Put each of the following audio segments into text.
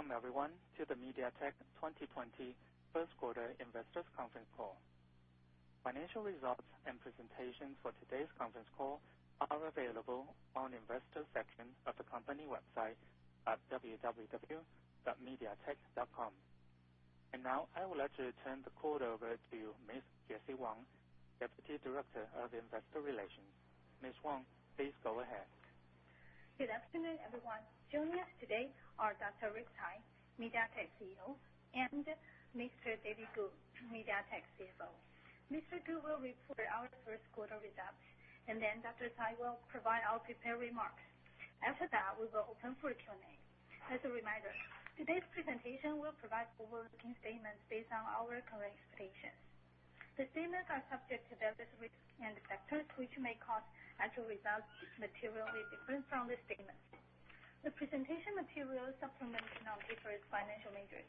Welcome everyone to the MediaTek 2020 first quarter investors conference call. Financial results and presentations for today's conference call are available on investor section of the company website at www.mediatek.com. Now I would like to turn the call over to Miss Jessie Wang, Deputy Director of Investor Relations. Miss Wang, please go ahead. Good afternoon, everyone. Joining us today are Dr. Rick Tsai, MediaTek CEO, and Mr. David Ku, MediaTek CFO. Mr. Ku will report our first quarter results, and then Dr. Tsai will provide our prepared remarks. After that, we will open for Q&A. As a reminder, today's presentation will provide forward-looking statements based on our current expectations. The statements are subject to various risks and factors which may cause actual results materially different from this statement. The presentation materials supplement in our TIFRS financial measures.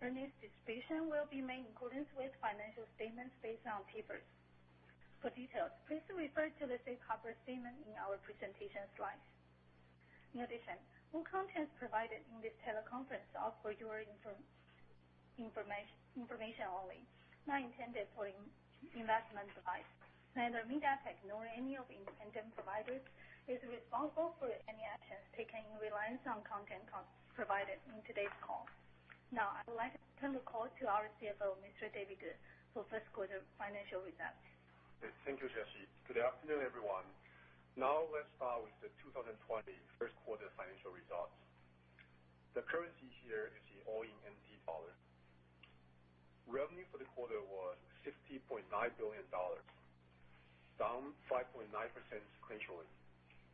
Earnings distribution will be made in accordance with financial statements based on papers. For details, please refer to the safe harbor statement in our presentation slides. In addition, all content provided in this teleconference are for your information only, not intended for investment advice. Neither MediaTek nor any of the independent providers is responsible for any actions taken in reliance on content provided in today's call. Now, I would like to turn the call to our CFO, Mr. David Ku, for first quarter financial results. Thank you, Jessie. Good afternoon, everyone. Now let's start with the 2020 first quarter financial results. The currency here is the all-in TWD. Revenue for the quarter was 50.9 billion dollars, down 5.9% sequentially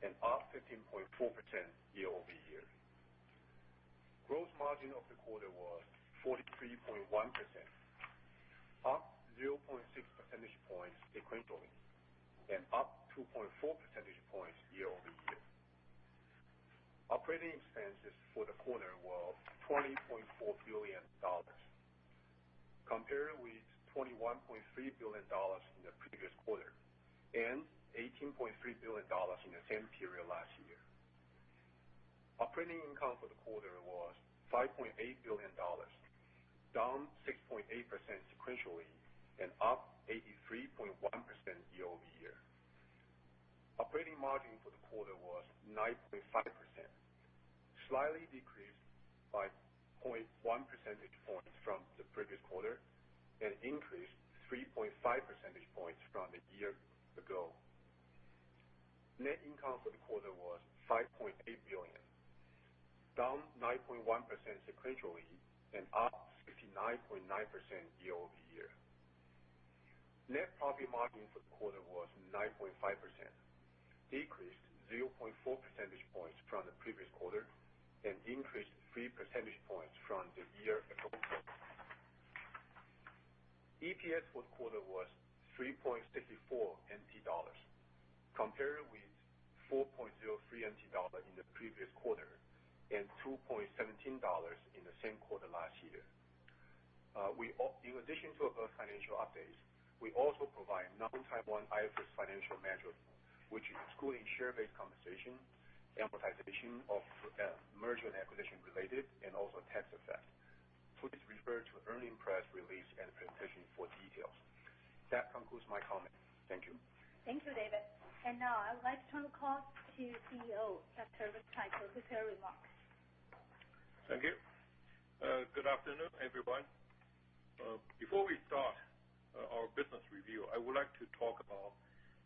and up 15.4% year-over-year. Gross margin of the quarter was 43.1%, up 0.6 percentage points sequentially, and up 2.4 percentage points year-over-year. Operating expenses for the quarter were 20.4 billion dollars, compared with 21.3 billion dollars in the previous quarter and 18.3 billion dollars in the same period last year. Operating income for the quarter was 5.8 billion dollars, down 6.8% sequentially and up 83.1% year-over-year. Operating margin for the quarter was 9.5%, slightly decreased by 0.1 percentage points from the previous quarter and increased 3.5 percentage points from a year ago. Net income for the quarter was 5.8 billion, down 9.1% sequentially and up 59.9% year-over-year. Net profit margin for the quarter was 9.5%, decreased 0.4 percentage points from the previous quarter and increased 3 percentage points from the year-ago quarter. EPS for the quarter was 3.64 NT dollars, compared with 4.03 NT dollars in the previous quarter and 2.17 dollars in the same quarter last year. In addition to above financial updates, we also provide non-TIFRS financial measures, which includes share-based compensation, amortization of margin and acquisition-related, and also tax effect. Please refer to earning press release and presentation for details. That concludes my comments. Thank you. Thank you, David. Now I would like to turn the call to CEO, Dr. Rick Tsai, for prepared remarks. Thank you. Good afternoon, everyone. Before we start our business review, I would like to talk about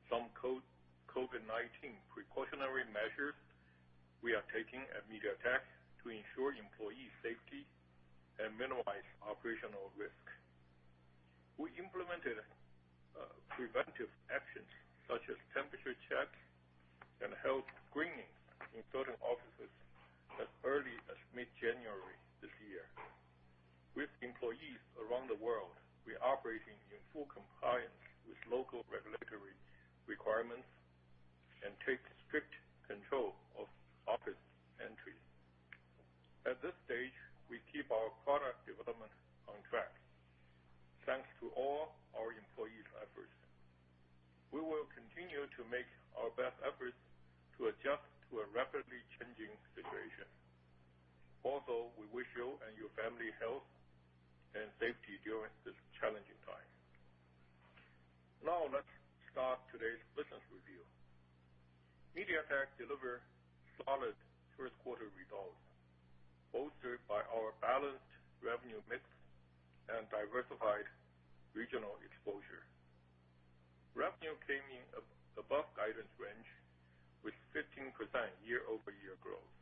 some COVID-19 precautionary measures we are taking at MediaTek to ensure employee safety and minimize operational risk. We implemented preventive actions such as temperature checks and health screening in certain offices as early as mid-January this year. With employees around the world, we are operating in full compliance with local regulatory requirements and take strict control of office entry. At this stage, we keep our product development on track thanks to all our employees' efforts. We will continue to make our best efforts to adjust to a rapidly changing situation. We wish you and your family health and safety during this challenging time. Let's start today's business review. MediaTek deliver solid first quarter results, bolstered by our balanced revenue mix and diversified regional exposure. Revenue came in above guidance range with 15% year-over-year growth.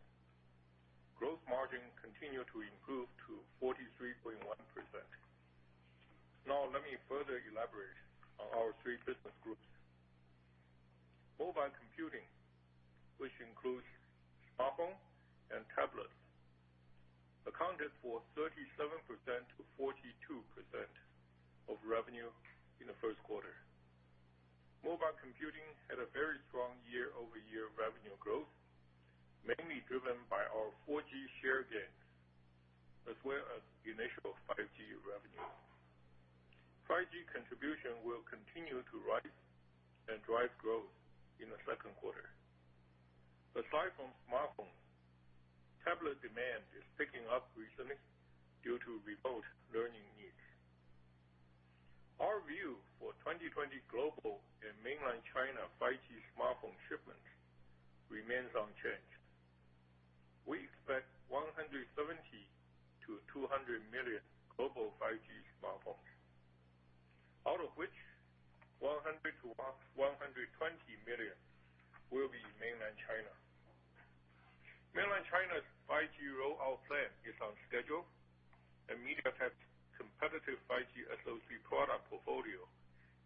Gross margin continued to improve to 43.1%. Let me further elaborate on our three business groups. Mobile computing, which includes smartphone and tablets, accounted for 37%-42% of revenue in the first quarter. Mobile computing had a very strong year-over-year revenue growth, mainly driven by our 4G share gains, as well as initial 5G revenue. 5G contribution will continue to rise and drive growth in the second quarter. Aside from smartphones, tablet demand is picking up recently due to remote learning needs. Our view for 2020 global and mainland China 5G smartphone shipments remains unchanged. We expect 170 million-200 million global 5G smartphones, out of which 100 million-120 million will be mainland China. Mainland China's 5G rollout plan is on schedule, and MediaTek's competitive 5G SoC product portfolio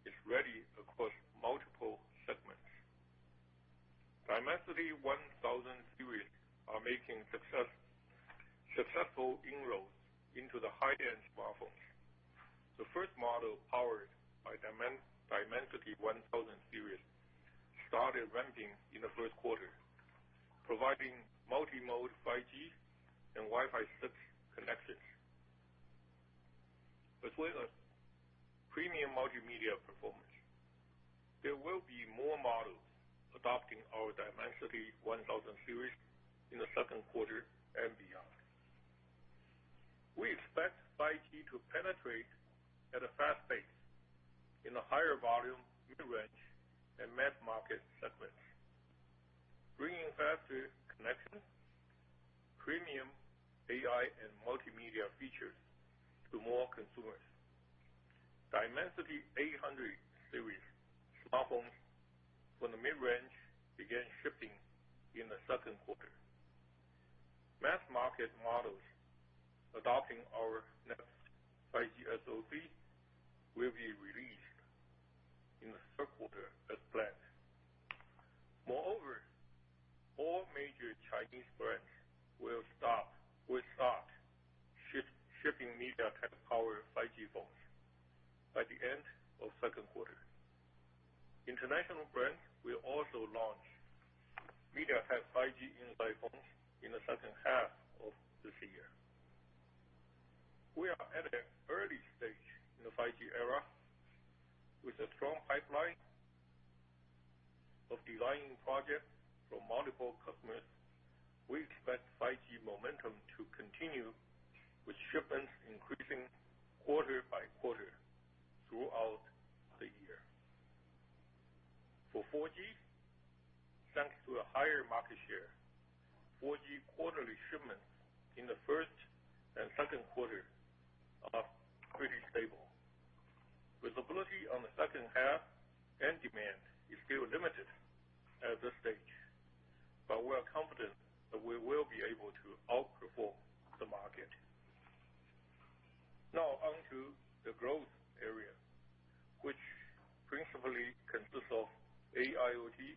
is ready across multiple segments. Dimensity 1000 series are making successful inroads into the high-end smartphones. The first model powered by Dimensity 1000 series started ramping in the first quarter, providing multi-mode 5G and Wi-Fi 6 connections, as well as premium multimedia performance. There will be more models adopting our Dimensity 1000 series in the second quarter and beyond. We expect 5G to penetrate at a fast pace in the higher volume, mid-range, and mass market segments, bringing faster connections, premium AI, and multimedia features to more consumers. Dimensity 800 series smartphones from the mid-range begin shipping in the second quarter. Mass market models adopting our next 5G SoC will be released in the third quarter as planned. Moreover, all major Chinese brands will start shipping MediaTek-powered 5G phones by the end of second quarter. International brands will also launch MediaTek 5G inside phones in the second half of this year. We are at an early stage in the 5G era. With a strong pipeline of design projects from multiple customers, we expect 5G momentum to continue, with shipments increasing quarter by quarter throughout the year. For 4G, thanks to a higher market share, 4G quarterly shipments in the first and second quarter are pretty stable. Visibility on the second half and demand is still limited at this stage, but we're confident that we will be able to outperform the market. Now onto the growth area, which principally consists of AIoT,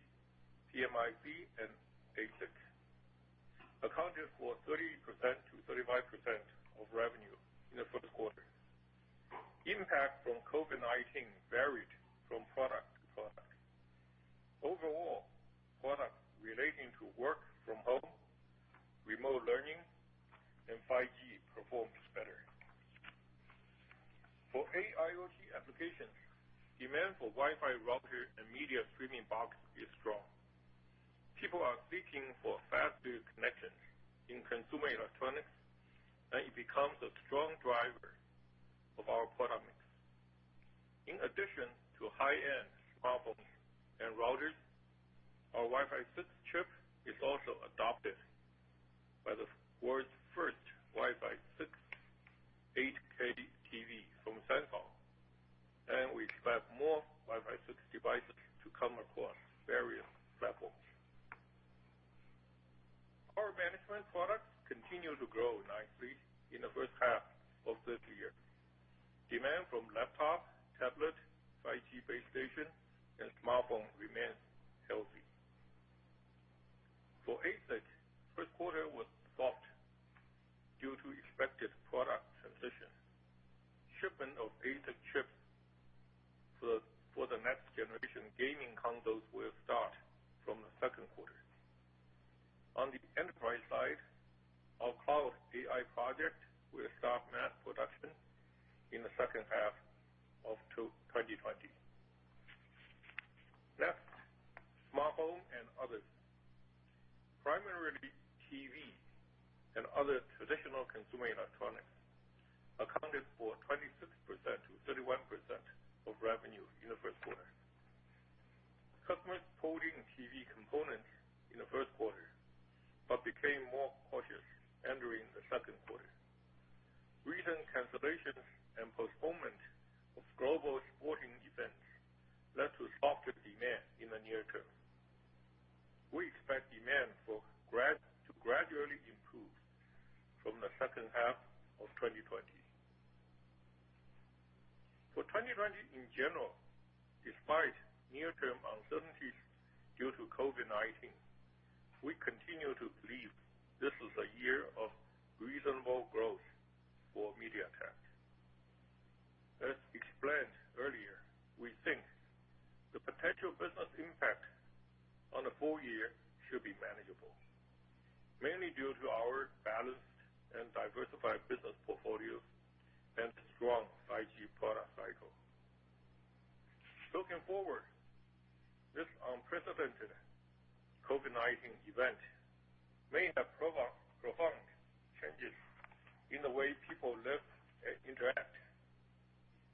PMIC, and ASIC, accounting for 30%-35% of revenue in the first quarter. Impact from COVID-19 varied from product to product. Overall, products relating to work from home, remote learning, and 5G performed better. For AIoT applications, demand for Wi-Fi router and media streaming box is strong. People are seeking for faster connections in Consumer Electronics. It becomes a strong driver of our products. In addition to high-end smartphones and routers, our Wi-Fi 6 chip is also adopted by the world's first Wi-Fi 6 8K TV from Samsung. We expect more Wi-Fi 6 devices to come across various platforms. Power management products continue to grow nicely in the first half of this year. Demand from laptop, tablet, 5G base station, and smartphone remains healthy. For ASIC, first quarter was soft due to expected product transition. Shipment of ASIC chips for the next-generation gaming consoles will start from the second quarter. On the enterprise side, our cloud AI project will start mass production in the second half of 2020. Next, smartphone and others. Primarily TV and other traditional Consumer Electronics accounted for 26%-31% of revenue in the first quarter. Customers hoarding TV components in the 1st quarter but became more cautious entering the 2nd quarter. Recent cancellations and postponement of global sporting events led to softer demand in the near term. We expect demand to gradually improve from the 2nd half of 2020. For 2020 in general, despite near-term uncertainties due to COVID-19, we continue to believe this is a year of reasonable growth for MediaTek. As explained earlier, we think actual business impact on the full year should be manageable, mainly due to our balanced and diversified business portfolio and strong 5G product cycle. Looking forward, this unprecedented COVID-19 event may have profound changes in the way people live and interact.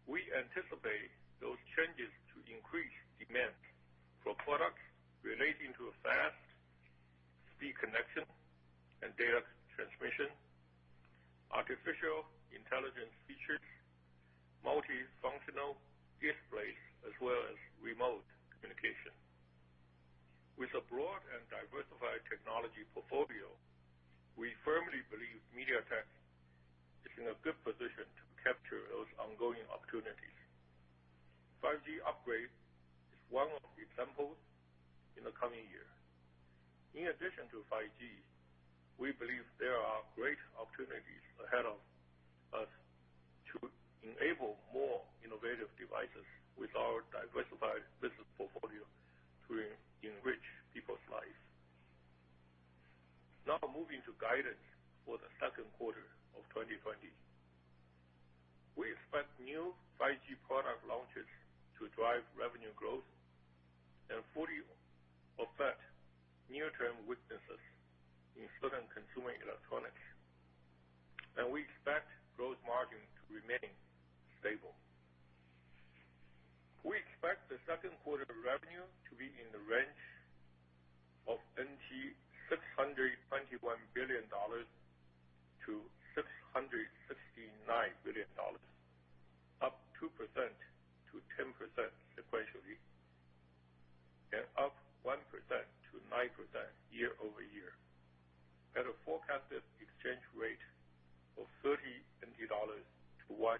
We anticipate those changes to increase demand for products relating to fast speed connection and data transmission, artificial intelligence features, multifunctional displays, as well as remote communication. With a broad and diversified technology portfolio, we firmly believe MediaTek is in a good position to capture those ongoing opportunities. 5G upgrade is one of the examples in the coming year. In addition to 5G, we believe there are great opportunities ahead of us to enable more innovative devices with our diversified business portfolio to enrich people's lives. Now, moving to guidance for the second quarter of 2020. We expect new 5G product launches to drive revenue growth and fully affect near-term weaknesses in certain consumer electronics. We expect gross margin to remain stable. We expect the second quarter revenue to be in the range of TWD 621 billion-TWD 669 billion, up 2%-10% sequentially, and up 1%-9% year-over-year at a forecasted exchange rate of 30 dollars to $1.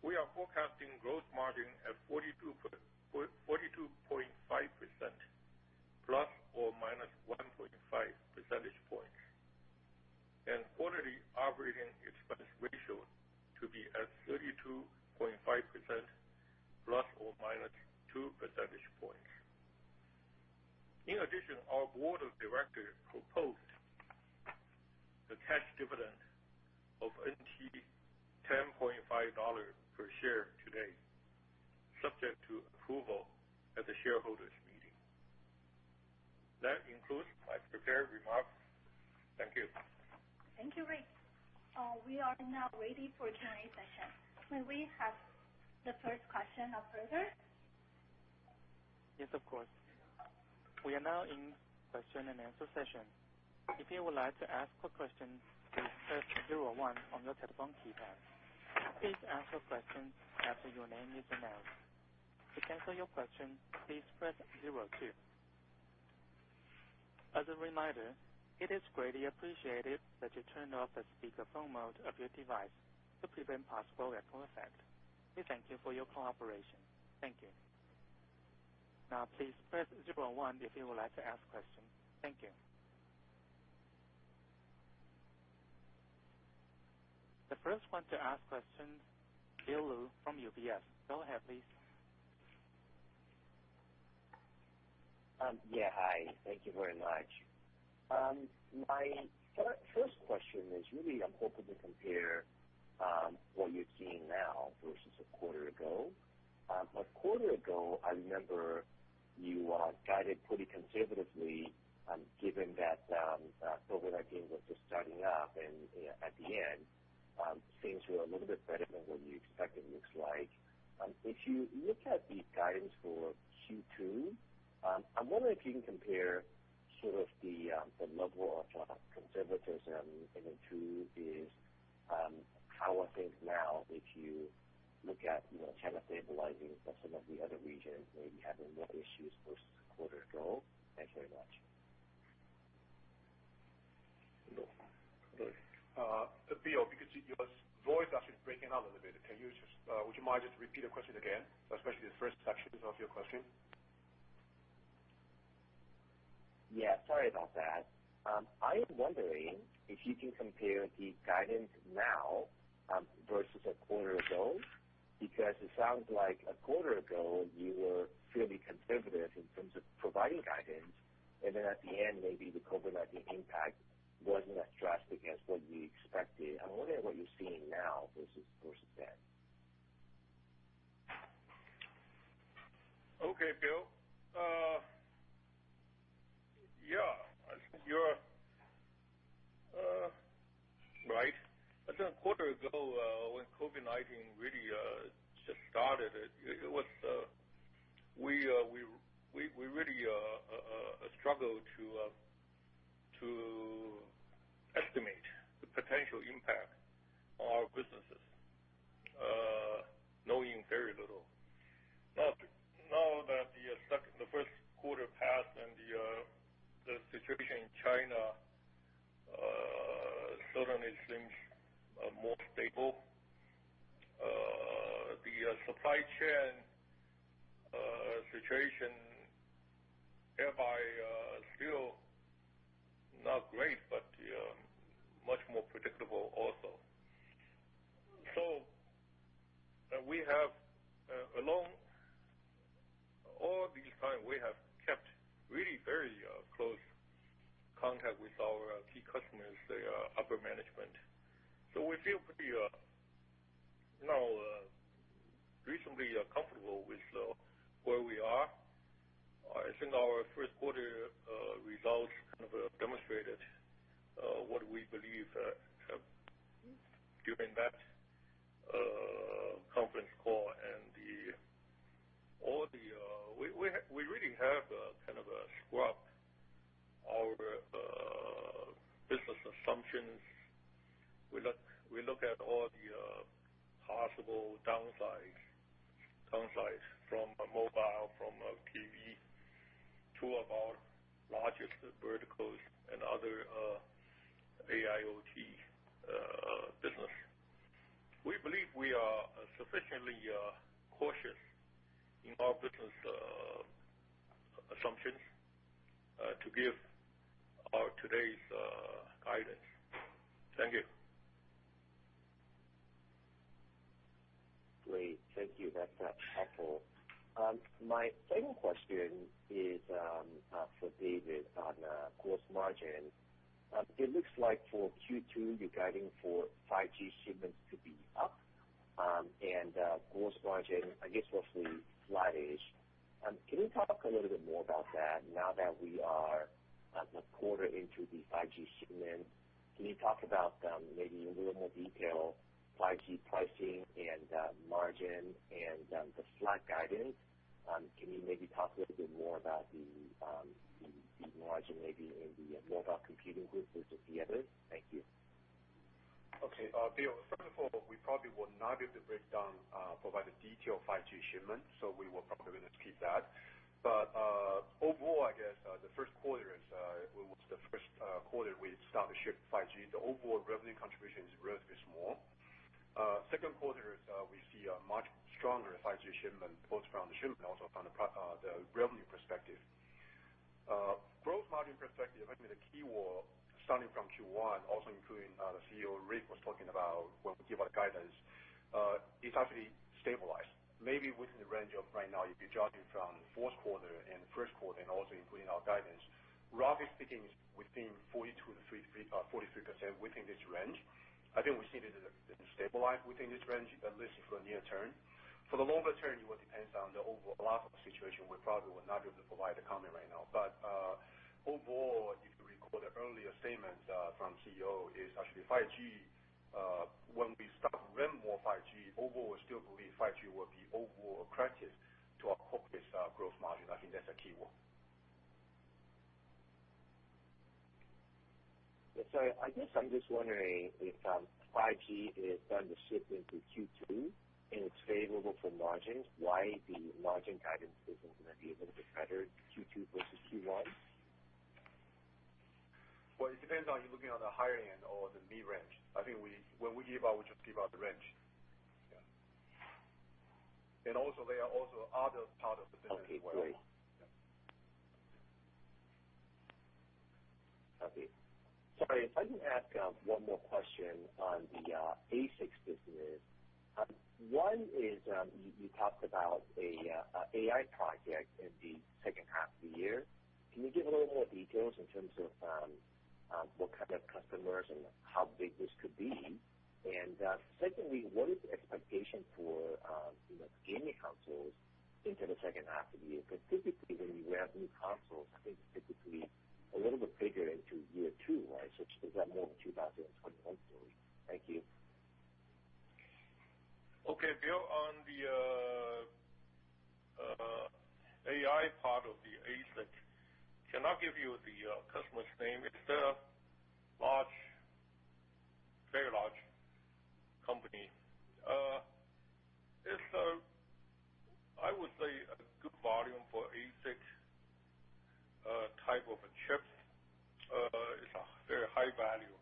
We are forecasting gross margin at 42.5% ±1.5 percentage points, and quarterly operating expense ratio to be at 32.5% ±2 percentage points. In addition, our board of directors proposed the cash dividend of 10.5 dollars per share today, subject to approval at the shareholders' meeting. That concludes my prepared remarks. Thank you. Thank you, Rick. We are now ready for Q&A session. May we have the first question, Operator? Yes, of course. We are now in question and answer session. If you would like to ask a question, please press zero one on your telephone keypad. Please ask your question after your name is announced. To cancel your question, please press zero two. As a reminder, it is greatly appreciated that you turn off the speakerphone mode of your device to prevent possible echo effect. We thank you for your cooperation. Thank you. Now please press zero one if you would like to ask question. Thank you. The first one to ask question, Bill Lu from UBS. Go ahead, please. Yeah. Hi. Thank you very much. My first question is really, I'm hoping to compare what you're seeing now versus a quarter ago. A quarter ago, I remember you guided pretty conservatively, given that COVID-19 was just starting up and at the end. Things were a little bit better than what you expected looks like. If you look at the guidance for Q2, I wonder if you can compare sort of the level of conservatism in the two is how are things now if you look at China stabilizing but some of the other regions may be having more issues versus a quarter ago? Thanks very much. Bill, David. Bill, because your voice is actually breaking up a little bit, would you mind just repeat the question again, especially the first sections of your question? Sorry about that. I am wondering if you can compare the guidance now, versus a quarter ago, because it sounds like a quarter ago, you were fairly conservative in terms of providing guidance. At the end, maybe the COVID-19 impact wasn't as drastic as what you expected. I'm wondering what you're seeing now versus then. Okay, Bill. Yeah. I think you're right. I think a quarter ago, when COVID-19 really just started, we really struggled to estimate the potential impact on our businesses, knowing very little. Now that the first quarter passed and the situation in China certainly seems more stable. The supply chain situation thereby not great, but much more predictable also. All this time, we have kept really very close contact with our key customers, their upper management. We feel pretty reasonably comfortable with where we are. I think our first quarter results kind of demonstrated what we believe during that conference call, and we really have kind of scrubbed our business assumptions. We look at all the possible downsides from mobile, from TV, to our largest verticals and other AIoT business. We believe we are sufficiently cautious in our business assumptions to give our today's guidance. Thank you. Great. Thank you. That's helpful. My second question is, for David, on gross margin. It looks like for Q2, you're guiding for 5G shipments to be up. Gross margin, I guess, roughly flat-ish. Can you talk a little bit more about that now that we are a quarter into the 5G shipment? Can you talk about maybe in a little more detail, 5G pricing and margin and the flat guidance? Can you maybe talk a little bit more about the margin maybe in the mobile computing group versus the others? Thank you. Okay. Bill, first of all, we probably will not be able to break down, provide the detail of 5G shipments. We will probably going to skip that. Overall, I guess, the first quarter was the first quarter we started to ship 5G. The overall revenue contribution is relatively small. Second quarter, we see a much stronger 5G shipment, both from the shipment also from the revenue perspective. Gross margin perspective, I think the key word starting from Q1, also including the CEO, Rick, was talking about when we give out guidance, it's actually stabilized. Maybe within the range of right now, if you're judging from the fourth quarter and the first quarter, and also including our guidance, roughly speaking, it's within 42%-43%, within this range. I think we see this as stabilized within this range, at least for the near term. For the longer term, it will depends on the overall lockdown situation. We probably will not be able to provide a comment right now. Overall, if you recall the earlier statements from CEO is actually 5G, when we start to ramp more 5G, overall we still believe 5G will be overall attractive to our focus growth margin. I think that's a key one. Sorry. I guess I'm just wondering if 5G is starting to ship into Q2, and it's favorable for margins, why the margin guidance isn't going to be a little bit better, Q2 versus Q1? Well, it depends on you looking on the higher end or the mid-range. I think when we give out, we just give out the range. Yeah. Also there are also other part of the business as well. Okay, great. Yeah. Okay. Sorry, if I can ask one more question on the ASICs business. One is, you talked about AI project in the second half of the year. Can you give a little more details in terms of what kind of customers and how big this could be? Secondly, what is the expectation for the gaming consoles into the second half of the year? Because typically, when you ramp new consoles, I think typically a little bit bigger into year two, right? Such is that more than 2021 story. Thank you. Okay. Bill, on the AI part of the ASIC, cannot give you the customer's name. It's a very large company. It's, I would say, a good volume for ASIC type of a chip. It's a very high-value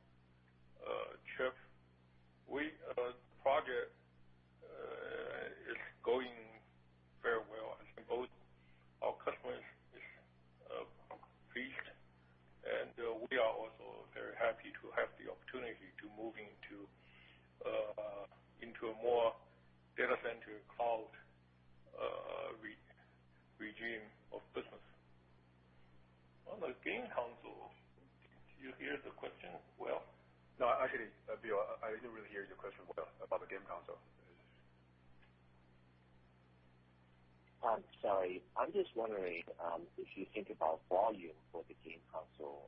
chip. Project is going very well. I think both our customers is pleased, and we are also very happy to have the opportunity to move into a more data center cloud regime of business. On the game console, do you hear the question well? No. Actually, Bill, I didn't really hear your question well about the game console. I'm sorry. I'm just wondering, if you think about volume for the game console,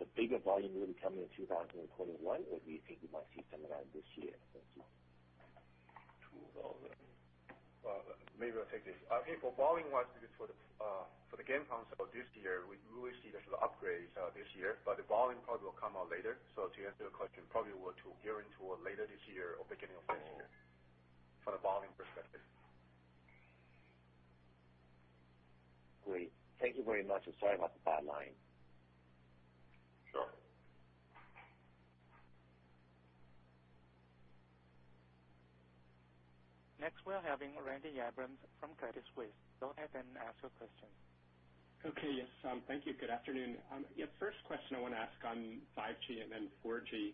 the bigger volume really come in 2021, or do you think we might see something around this year? Thank you. Two of them. Well, maybe I'll take this. Okay, for volume-wise, for the game console this year, we really see there's upgrades this year, but the volume probably will come out later. To answer your question, probably we're to gear into later this year or beginning of next year from a volume perspective. Great. Thank you very much, and sorry about the bad line. Sure. Next we are having Randy Abrams from Credit Suisse. Go ahead and ask your question. Okay. Yes. Thank you. Good afternoon. First question I want to ask on 5G and then 4G.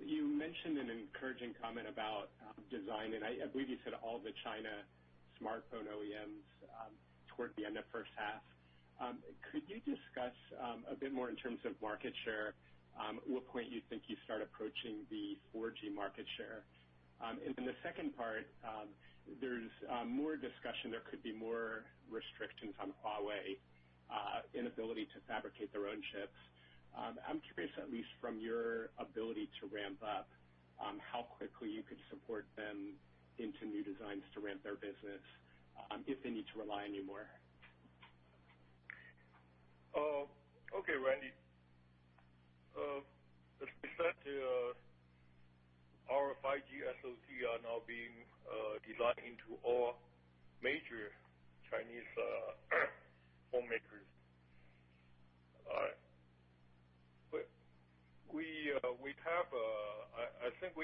You mentioned an encouraging comment about design, and I believe you said all the China smartphone OEMs toward the end of first half. Could you discuss a bit more in terms of market share, at what point you think you start approaching the 4G market share? The second part, there's more discussion, there could be more restrictions on Huawei inability to fabricate their own chips. I'm curious, at least from your ability to ramp up, how quickly you could support them into new designs to ramp their business, if they need to rely on you more. Okay, Randy. As we said, our 5G SoC are now being designed into all major Chinese phone makers. I think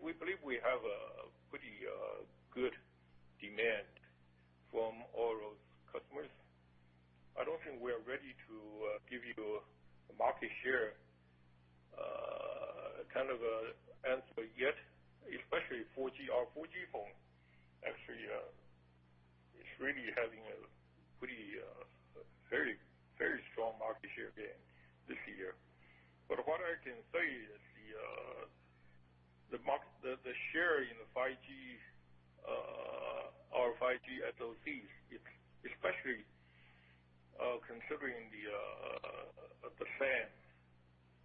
we believe we have a pretty good demand from all those customers. I don't think we are ready to give you a market share kind of answer yet, especially our 4G phone, actually, is really having a very strong market share gain this year. What I can say is the share in the 5G, our 5G SoCs, especially considering the [TAM],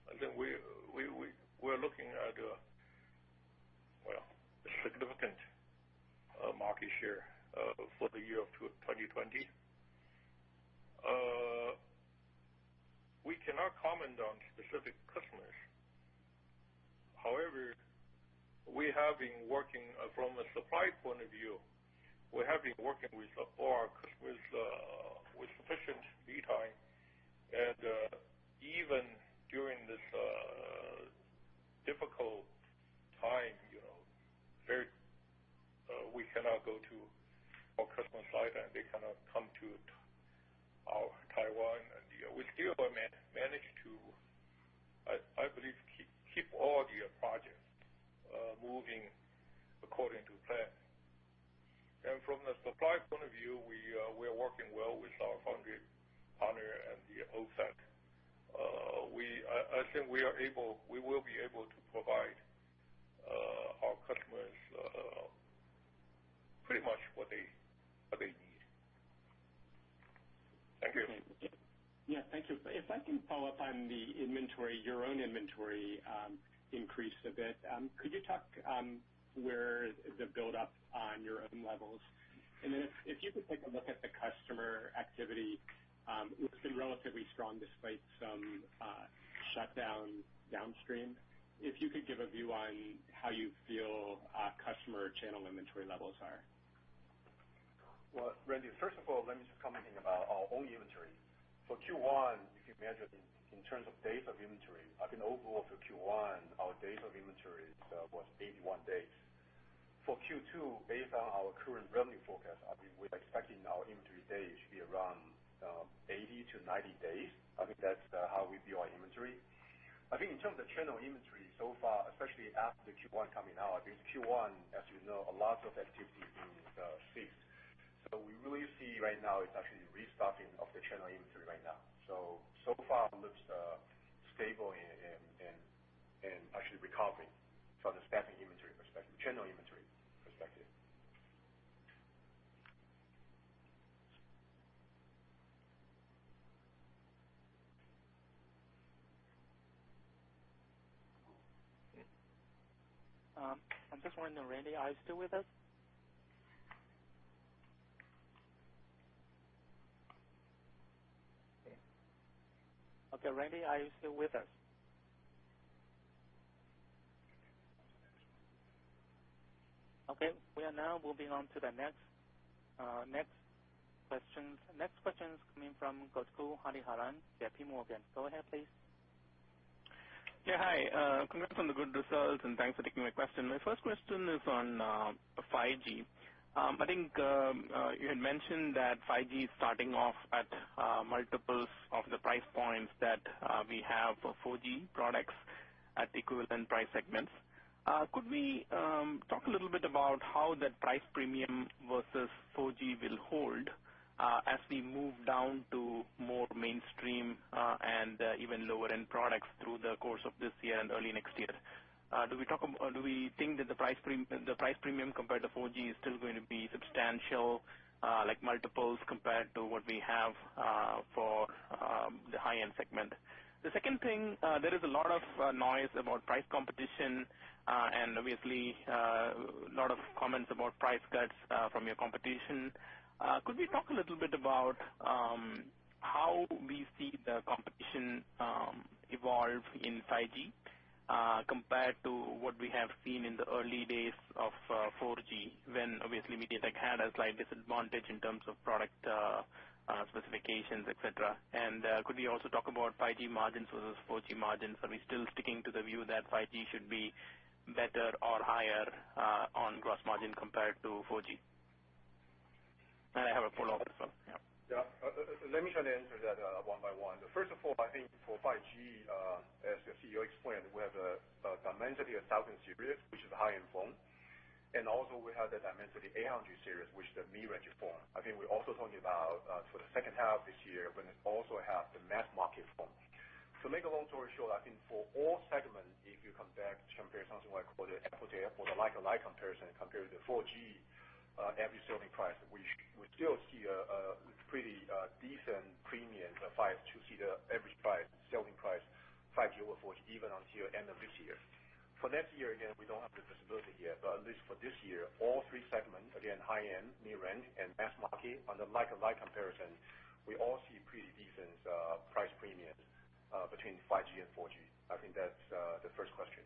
I think we're looking at a significant market share for the year of 2020. We cannot comment on specific customers. However, from a supply point of view, we have been working with all our customers with sufficient lead time. Even during this difficult time, we cannot go to our customer site, and they cannot come to our Taiwan, and we still manage to, I believe, keep all the projects moving according to plan. From the supply point of view, we are working well with our foundry partner and the OSAT. I think we will be able to provide our customers pretty much what they need. Thank you. Yeah, thank you. If I can follow up on the inventory, your own inventory increased a bit. Could you talk where the buildup on your own levels? If you could take a look at the customer activity, it's been relatively strong despite some shutdown downstream. If you could give a view on how you feel customer channel inventory levels are. Randy, first of all, let me just comment about our own inventory. For Q1, if you measure in terms of days of inventory, overall for Q1, our days of inventory was 81 days. For Q2, based on our current revenue forecast, we're expecting our inventory days to be around 80-90 days. That's how we view our inventory. In terms of channel inventory so far, especially after Q1 coming out, Q1, as you know, a lot of activity in. We really see right now it's actually restocking of the channel inventory right now. So far looks stable and actually recovering from the channel inventory perspective. I'm just wondering, Randy, are you still with us? Okay, Randy, are you still with us? Okay, we are now moving on to the next question. Next question is coming from Gokul Hariharan, JPMorgan. Go ahead, please. Hi. Congrats on the good results, and thanks for taking my question. My first question is on 5G. I think you had mentioned that 5G is starting off at multiples of the price points that we have for 4G products at equivalent price segments. Could we talk a little bit about how that price premium versus 4G will hold, as we move down to more mainstream, and even lower-end products through the course of this year and early next year? Do we think that the price premium compared to 4G is still going to be substantial, like multiples compared to what we have for the high-end segment? The second thing, there is a lot of noise about price competition, and obviously, a lot of comments about price cuts from your competition. Could we talk a little bit about how we see the competition evolve in 5G, compared to what we have seen in the early days of 4G, when obviously MediaTek had a slight disadvantage in terms of product specifications, et cetera. Could we also talk about 5G margins versus 4G margins? Are we still sticking to the view that 5G should be better or higher on gross margin compared to 4G? I have a follow-up as well. Yeah. Let me try to answer that one by one. First of all, I think for 5G, as the CEO explained, we have the Dimensity 1000 series, which is a high-end phone. Also we have the Dimensity 800 series, which is the mid-range phone. I think we're also talking about for the second half this year, when it also have the mass market phone. To make a long story short, I think for all segments, if you compare something like for the Apple to Apple, the like-on-like comparison, compare the 4G average selling price, we still see a pretty decent premium, five to six the average selling price 5G over 4G, even until end of this year. For next year, again, we don't have the visibility yet, but at least for this year, all three segments, again, high-end, mid-range, and mass market, on the like-on-like comparison, we all see pretty decent price premiums between 5G and 4G. I think that's the first question.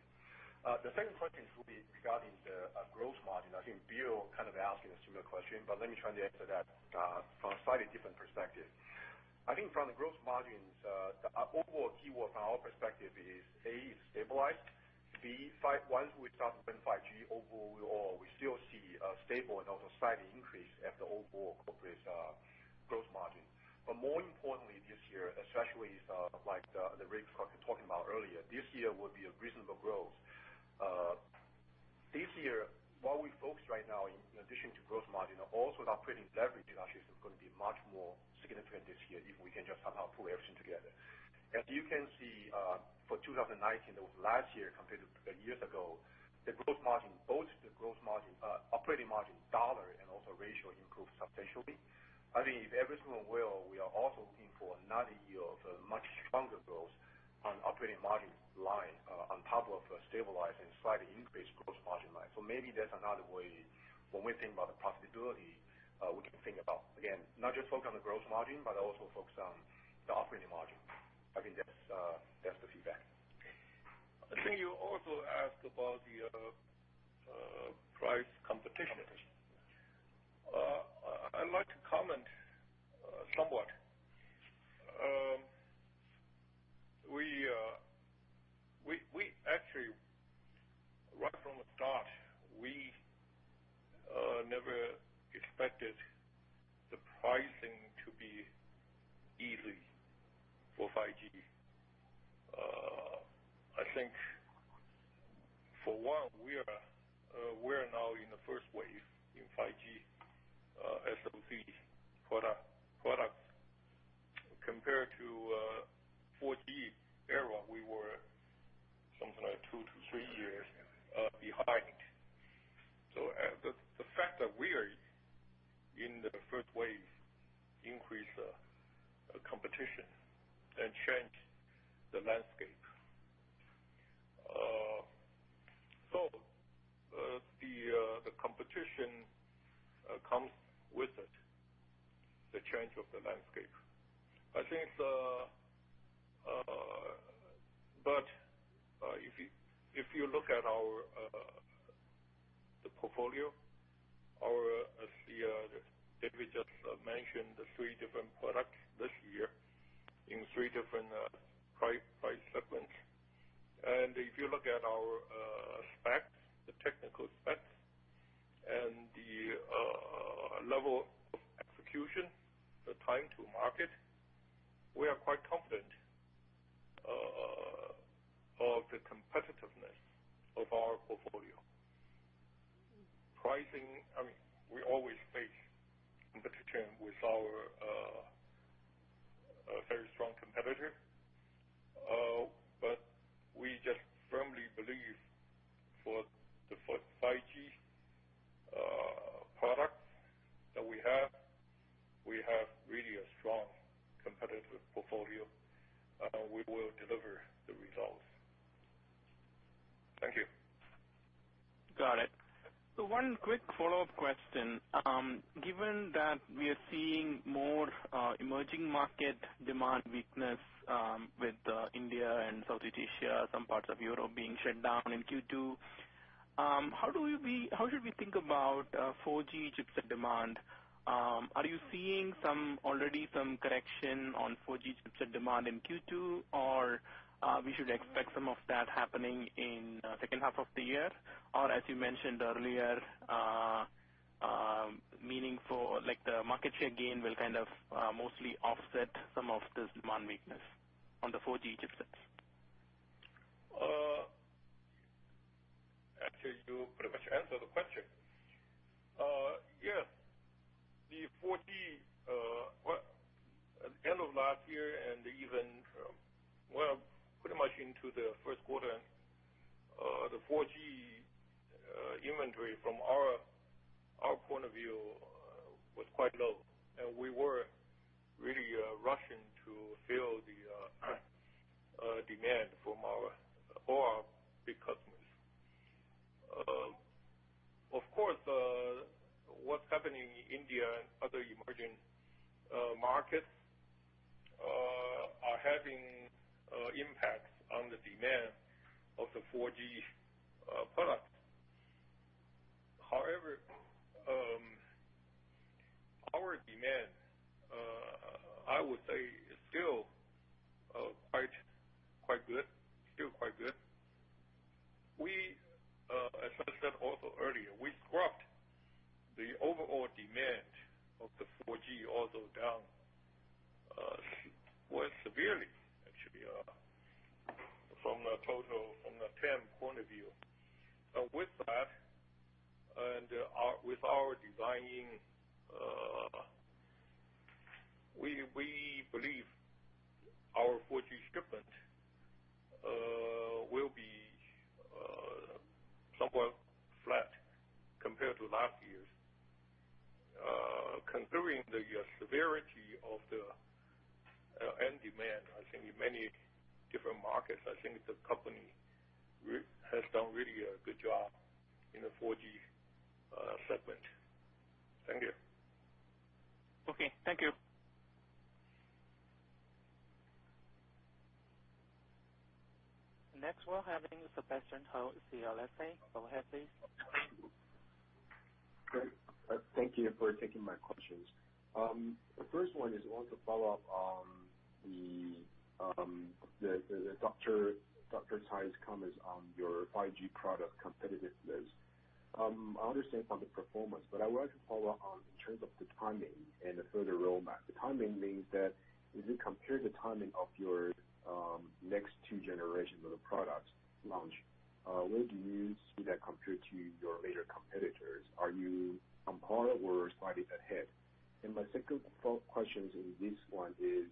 The second question will be regarding the gross margin. I think Bill kind of asking a similar question, but let me try to answer that from a slightly different perspective. I think from the gross margins, the overall keyword from our perspective is, A, stabilized. B, once we start with 5G, overall, we still see a stable and also slight increase at the overall corporate gross margin. More importantly, this year, especially like the Rick talking about earlier, this year will be a reasonable growth. This year, what we focus right now in addition to gross margin, also with our operating leverage, actually is going to be much more significant this year if we can just somehow pull everything together. As you can see, for 2019, last year compared to a year ago, both the operating margin dollar and also ratio improved substantially. I think if everything well, we are also looking for another year of much stronger growth on operating margin line, on top of a stabilized and slightly increased gross margin line. Maybe that's another way when we think about the possibility, we can think about, again, not just focus on the gross margin, but also focus on the operating margin. I think that's the feedback. I think you also asked about the price competition. I'd like to comment somewhat. Actually, right from the start, we never expected the pricing to be easy for 5G. I think for one, we are now in the first wave in 5G SoC products. Compared to 4G era, we were something like two to three years behind. The fact that we are in the first wave increase competition and change the landscape. The competition comes with it, the change of the landscape. If you look at the portfolio, our CEO, David, just mentioned the three different products this year in three different price segments. If you look at our specs, the technical specs, and the level of execution, the time to market, we are quite confident of the competitiveness of our portfolio. Pricing, we always face competition with our very strong competitor. We just firmly believe for the 5G product that we have, we have really a strong competitive portfolio. We will deliver the results. Thank you. Got it. One quick follow-up question. Given that we are seeing more emerging market demand weakness with India and Southeast Asia, some parts of Europe being shut down in Q2, how should we think about 4G chipset demand? Are you seeing already some correction on 4G chipset demand in Q2, or we should expect some of that happening in second half of the year? As you mentioned earlier, like the market share gain will mostly offset some of this demand weakness on the 4G chipsets? Actually, you pretty much answered the question. Yes. At the end of last year and even, well, pretty much into the first quarter, the 4G inventory from our point of view, was quite low, and we were really rushing to fill the demand from all our big customers. Of course, what's happening in India and other emerging markets are having impacts on the demand of the 4G product. However, our demand, I would say is still. Quite good. Still quite good. As I said also earlier, we scrapped the overall demand of the 4G also down, quite severely, actually, from the total, from the TAM point of view. With that, and with our designing, we believe our 4G shipment will be somewhat flat compared to last year's. Considering the severity of the end demand, I think in many different markets, I think the company has done really a good job in the 4G segment. Thank you. Okay. Thank you. Next, we are having Sebastian Hou, CLSA. Go ahead, please. Great. Thank you for taking my questions. The first one is I want to follow up on Dr. Tsai's comments on your 5G product competitiveness. I understand from the performance. I would like to follow up on in terms of the timing and the further roadmap. The timing means that as you compare the timing of your next two generations of the product launch, where do you see that compared to your major competitors? Are you on par or slightly ahead? My second follow-up question to this one is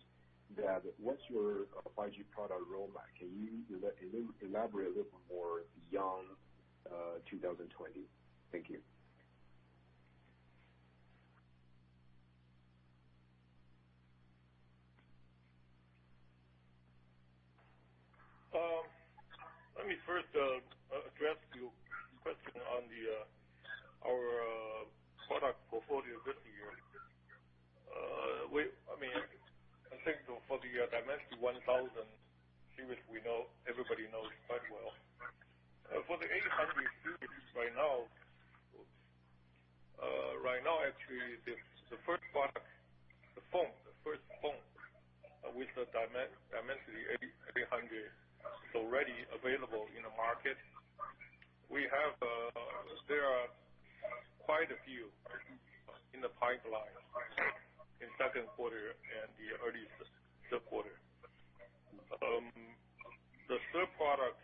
that what's your 5G product roadmap? Can you elaborate a little bit more beyond 2020? Thank you. Let me first address your question on our product portfolio this year. I think for the Dimensity 1000 series, everybody knows quite well. For the 800 series right now, actually, the first product, the phone, the first phone with the Dimensity 800 is already available in the market. There are quite a few in the pipeline in second quarter and the early third quarter. The third product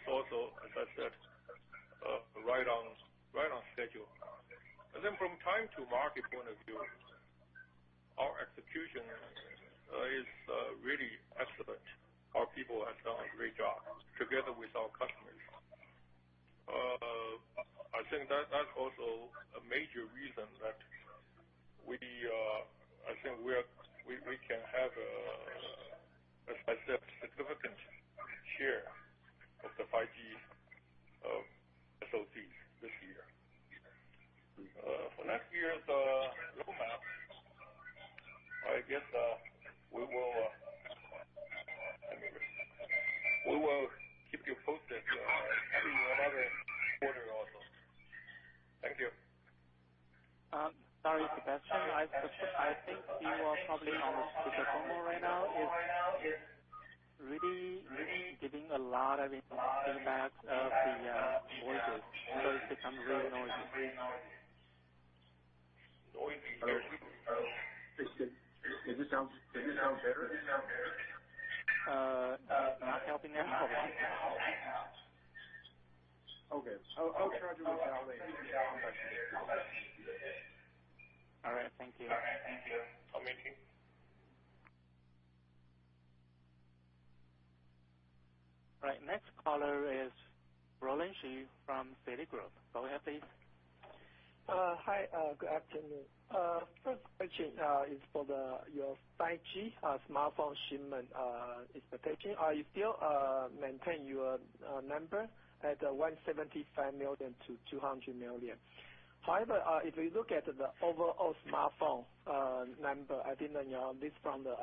is also, as I said, right on schedule. From time to market point of view, our execution is really excellent. Our people have done a great job together with our customers. I think that's also a major reason that I think we can have, as I said, significant share of the 5G SoCs this year. For next year's roadmap, I guess we will keep you posted maybe another quarter also. Thank you. Sorry, Sebastian. I think you are probably on speakerphone right now. It's really giving a lot of impact of the voices, so it's become really noisy. Does this sound better? Not helping at all. Okay. I'll try to evaluate. All right. Thank you. Okay, thank you. All right. Next caller is Roland Shu from Citigroup. Go ahead, please. Hi, good afternoon. First question is for your 5G smartphone shipment expectation. Are you still maintaining your number at 175 million-200 million? If we look at the overall smartphone number, I think this from the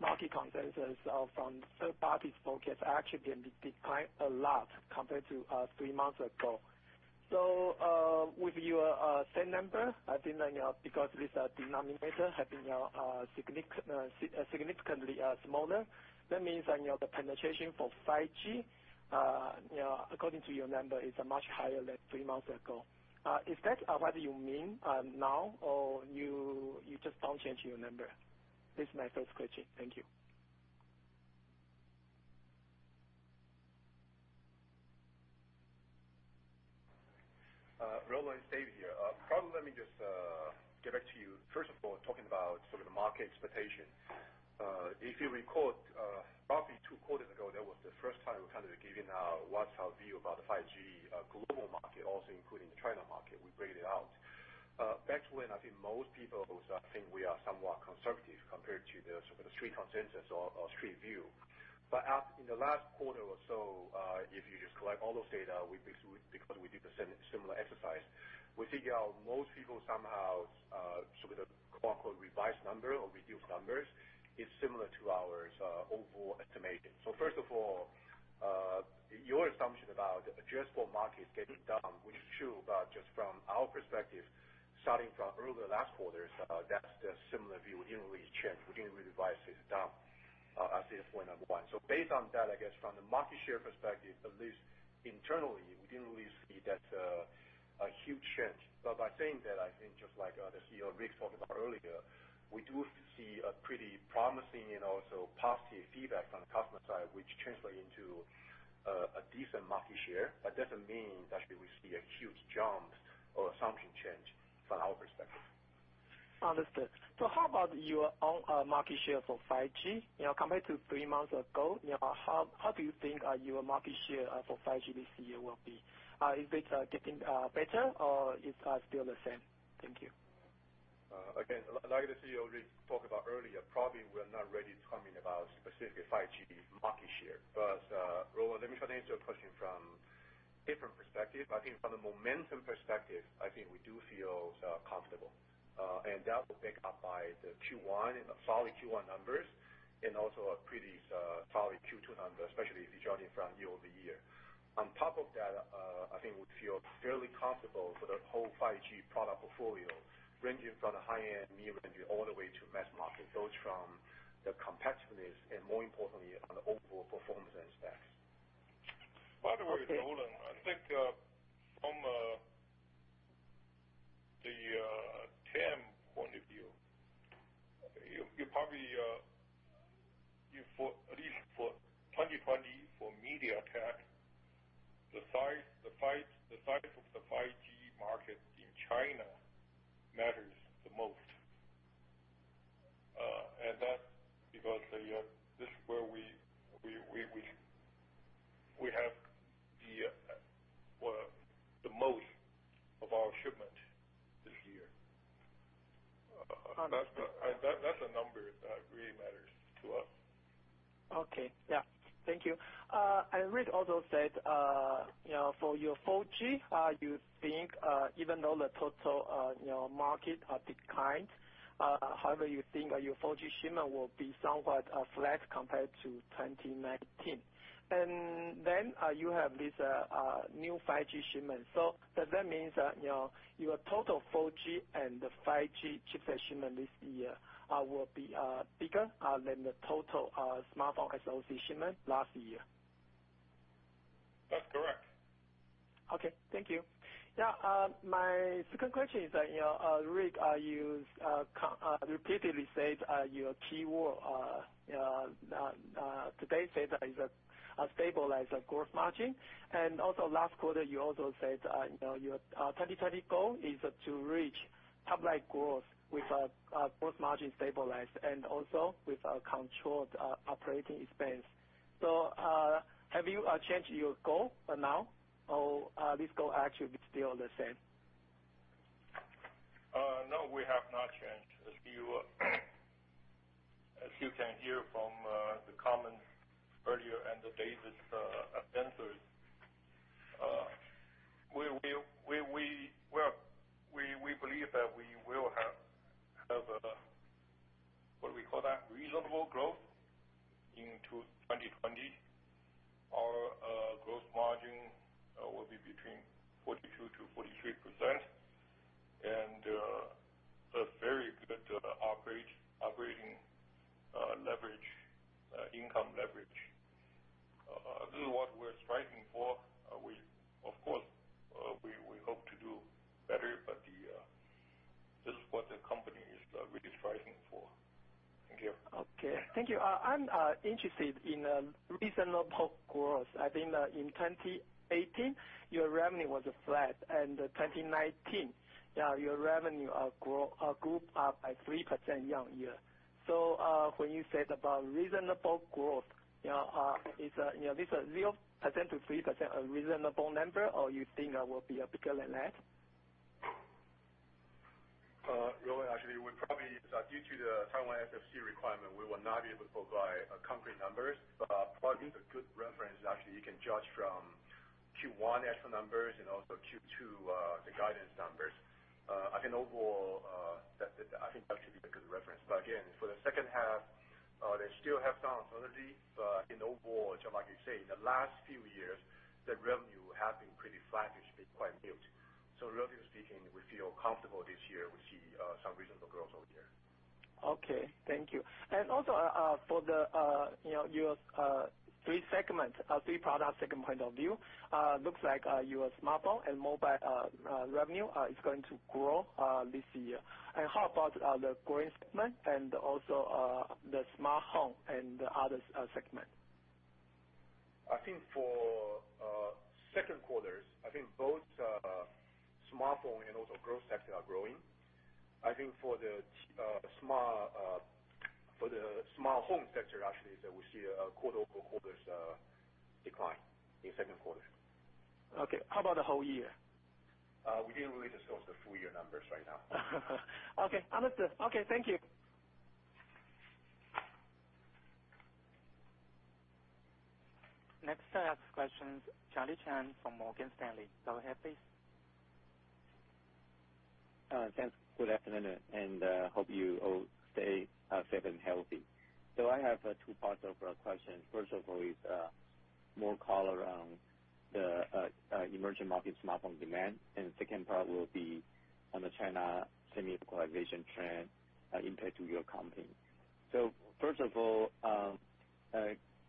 market consensus from third party forecast actually been declined a lot compared to three months ago. With your same number, I think because this denominator have been significantly smaller, that means the penetration for 5G, according to your number, is much higher than three months ago. Is that what you mean now, or you just don't change your number? This is my first question. Thank you. Roland, David here. Probably let me just get back to you. First of all, talking about sort of the market expectation. If you recall, roughly two quarters ago, that was the first time we kind of gave you our view about the 5G global market, also including the China market. We break it out. Back when I think most people think we are somewhat conservative compared to the sort of the street consensus or street view. In the last quarter or so, if you just collect all those data, because we did the similar exercise, we figure out most people somehow, sort of the quote unquote revised number or reduced numbers, is similar to our overall estimation. First of all. Your assumption about adjustable markets getting down is true, but just from our perspective, starting from earlier last quarters, that's the similar view. We didn't really change, we didn't revise this down as the point of one. Based on that, I guess from the market share perspective, at least internally, we didn't really see that a huge change. By saying that, I think just like the CEO, Rick, talked about earlier, we do see a pretty promising and also positive feedback from the customer side, which translate into a decent market share. Doesn't mean that we see a huge jump or assumption change from our perspective. Understood. How about your own market share for 5G? Compared to three months ago, how do you think your market share for 5G this year will be? Is it getting better, or it's still the same? Thank you. Like the CEO Rick talked about earlier, probably we're not ready to comment about specific 5G market share. Roland, let me try to answer your question from different perspective. I think from the momentum perspective, I think we do feel comfortable. That will make up by the Q1 and a solid Q1 numbers, and also a pretty solid Q2 number, especially if you're judging from year-over-year. On top of that, I think we feel fairly comfortable for the whole 5G product portfolio, ranging from the high-end, mid-range, all the way to mass market. It's from the competitiveness and more importantly on the overall performance and specs. By the way, Roland, I think from the TAM point of view, you probably, at least for 2020, for MediaTek, the size of the 5G market in China matters the most. That's because this is where we have the most of our shipment this year. That's a number that really matters to us. Okay. Yeah. Thank you. Rick also said, for your 4G, you think, even though the total market declined, however, you think your 4G shipment will be somewhat flat compared to 2019. Then you have this new 5G shipment. Does that mean that your total 4G and 5G chipset shipment this year will be bigger than the total smartphone SoC shipment last year? That's correct. Okay. Thank you. Now, my second question is, Rick, you repeatedly said your key word today is stabilize the gross margin. Last quarter, you also said your 2020 goal is to reach top-line growth with a gross margin stabilized and also with a controlled operating expense. Have you changed your goal now or this goal actually is still the same? No. We have not changed. As you can hear from the comments earlier and David's answers, we believe that we will have, what we call that, reasonable growth into 2020. Our gross margin will be between 42%-43% and a very good operating leverage, income leverage. This is what we're striving for. Of course, we hope to do better, but this is what the company is really striving for. Thank you. Okay. Thank you. I'm interested in reasonable growth. I think in 2018, your revenue was flat, and 2019, your revenue grew up by 3% year-on-year. When you said about reasonable growth, is 0%-3% a reasonable number, or you think that will be bigger than that? Roland, actually, due to the Taiwan FSC requirement, we will not be able to provide concrete numbers. Probably the good reference, actually, you can judge from Q1 actual numbers and also Q2, the guidance numbers. I think that should be the good reference. Again, for the second half, they still have seasonality, but in overall, just like you say, in the last few years, the revenue have been pretty flattish, been quite mute. Revenue speaking, we feel comfortable this year, we see some reasonable growth over there. Okay. Thank you. For your three product segment point of view, looks like your smartphone and mobile revenue is going to grow this year. How about the growing segment and also the smart home and the other segment? I think for second quarters, I think both smartphone and also growth sector are growing. I think for the smart home sector, actually, that we see a quarter-over-quarters decline in second quarter. Okay. How about the whole year? We didn't really disclose the full year numbers right now. Okay. Understood. Okay. Thank you. Next set of questions, Charlie Chan from Morgan Stanley. Go ahead, please. Thanks. Good afternoon, and hope you all stay safe and healthy. I have two parts of a question. First of all is more color on the emerging market smartphone demand, and the second part will be on the China semi localization trend impact to your company. First of all,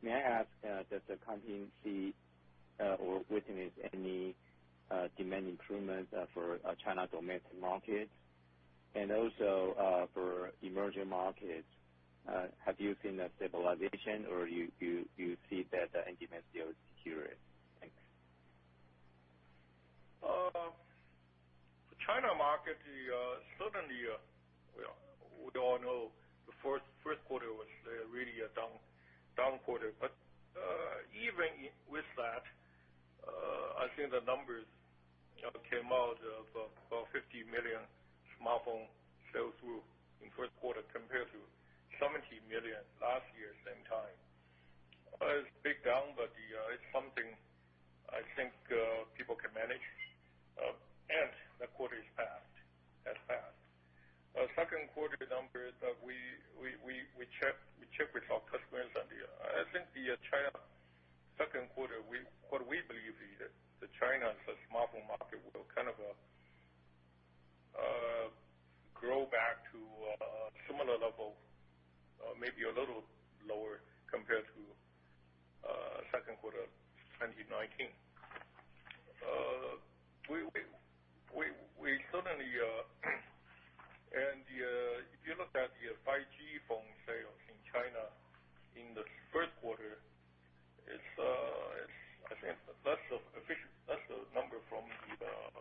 may I ask, does the company see or witness any demand improvements for China domestic market? Also, for emerging markets, have you seen a stabilization or you see that the demand still secure it? Thanks. The China market, certainly, we all know the first quarter was really a down quarter. Even with that, I think the numbers came out of about 50 million smartphone sales were in first quarter compared to 70 million last year same time. It's big down, but it's something I think people can manage. The quarter is past. It's past. Second quarter numbers, we check with our customers on the, I think the China second quarter, what we believe the China smartphone market will kind of grow back to a similar level, maybe a little lower compared to second quarter 2019. If you look at the 5G phone sales in China in the first quarter, I think that's the number from the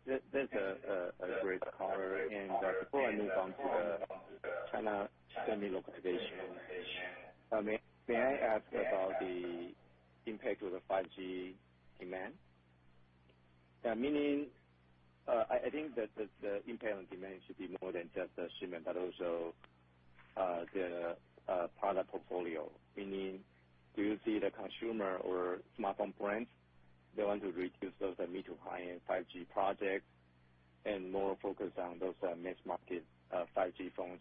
Southeast Asia, I think the market impact can be quite different between India and Southeast Asia. We believe the India impact is probably greater compared to Southeast Asia. Again, if we combine all those things together, 4G end market demand is going to be down quite a bit. As we said earlier, with our position, we expect to manage about a flattish shipment for us this year. That's a great color. Before I move on to the China semi localization, may I ask about the impact of the 5G demand? Meaning, I think that the impact on demand should be more than just the shipment, but also the product portfolio. Meaning, do you see the consumer or smartphone brands, they want to reduce those mid to high-end 5G projects and more focus on those mass market 5G phones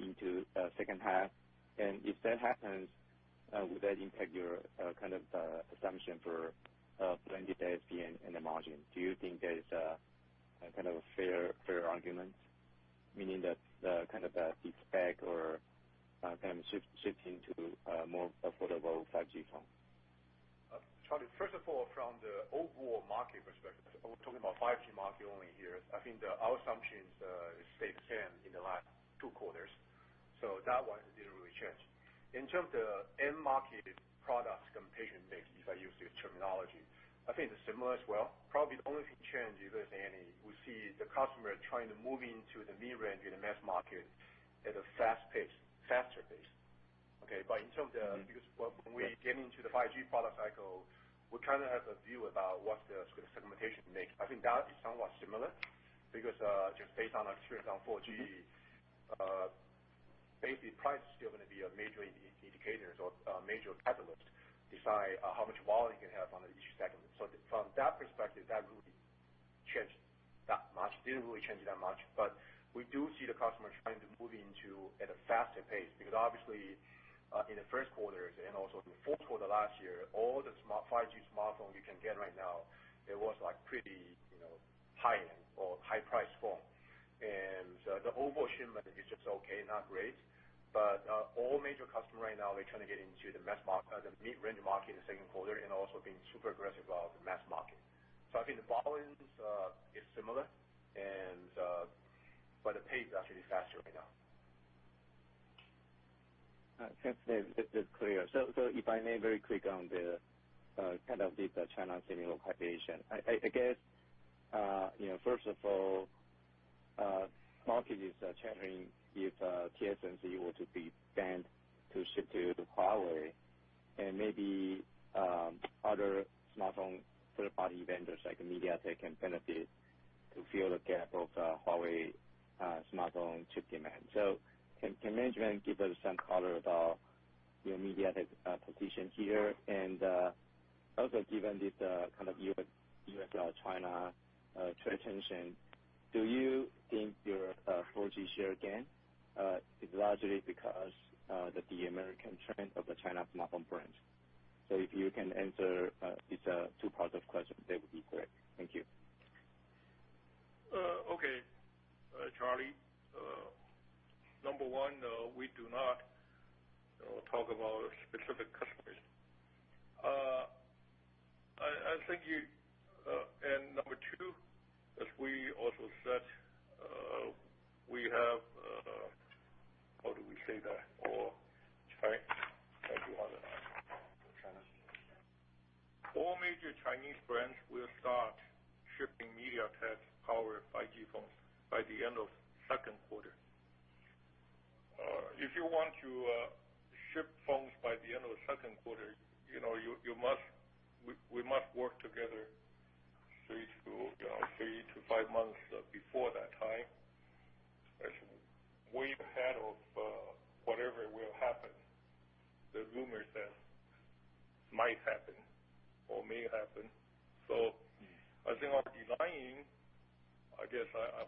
into second half? If that happens, would that impact your assumption for blended ASP and the margin? Do you think that is a fair argument, meaning that the de-spec or kind of shifting to a more affordable 5G phone? Charlie, first of all, from the overall market perspective, we're talking about 5G market only here. I think our assumptions stayed the same in the last two quarters. That one didn't really change. In terms of the end market products computation mix, if I use this terminology, I think it's similar as well. Probably the only thing change, if there's any, we see the customer trying to move into the mid-range, in the mass market at a fast pace, faster pace. In terms of the, because when we get into the 5G product cycle, we kind of have a view about what the segmentation mix. I think that is somewhat similar because, just based on experience on 4G, basically price is still going to be a major indicator. A major catalyst decide how much volume you can have on each segment. From that perspective, that wouldn't change that much, didn't really change that much. We do see the customer trying to move into at a faster pace, because obviously, in the first quarter and also in the fourth quarter last year, all the 5G smartphone you can get right now, it was pretty high-end or high-priced phone. The overall shipment is just okay, not great. All major customer right now, they're trying to get into the mid-range market in second quarter and also being super aggressive about the mass market. I think the volumes is similar, but the pace is actually faster right now. Thanks, David. It is clear. If I may, very quick on the kind of deep China semi localization. I guess-First of all, markets are checking if TSMC were to be banned to ship to Huawei, and maybe other smartphone third-party vendors like MediaTek can benefit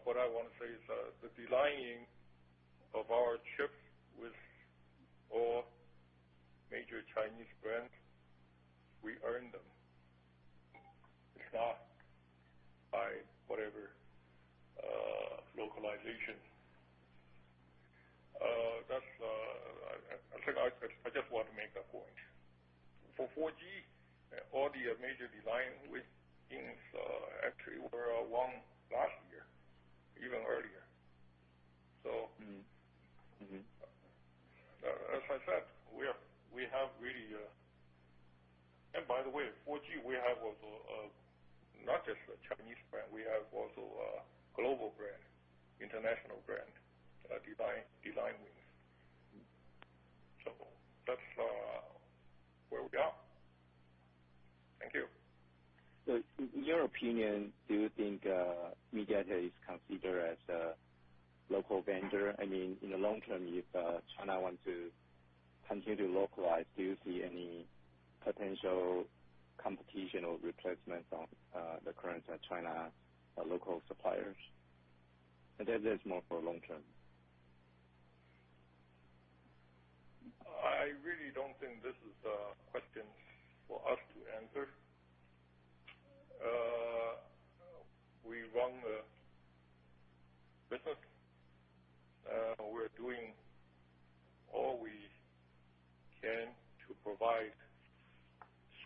what I want to say is, the designing of our chips with all major Chinese brands, we earned them. It's not by whatever localization. I just want to make a point. For 4G, all the major designs with ins, actually were won last year, even earlier. As I said. By the way, 4G, we have also not just Chinese brands, we have also global brands, international brands, design wins. That's where we are. Thank you. In your opinion, do you think MediaTek is considered as a local vendor? In the long term, if China wants to continue to localize, do you see any potential competition or replacement of the current China local suppliers? That is more for long term. I really don't think this is a question for us to answer. We run the business, we're doing all we can to provide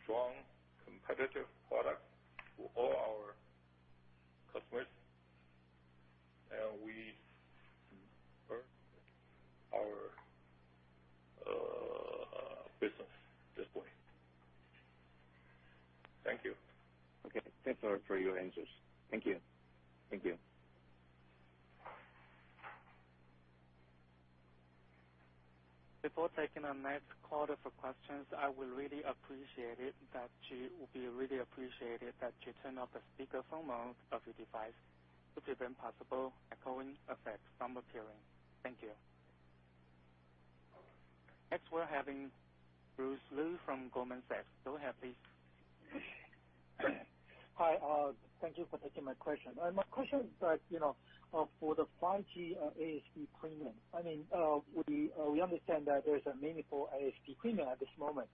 strong, competitive products to all our customers, and we earn our business at this point. Thank you. Okay. Thanks for your answers. Thank you. Before taking our next caller for questions, I will really appreciate it that you turn off the speakerphone of your device to prevent possible echoing effects from appearing. Thank you. Next, we're having Bruce Lu from Goldman Sachs. Go ahead, please. Hi. Thank you for taking my question. My question is that, for the 5G ASP premium, we understand that there's a meaningful ASP premium at this moment.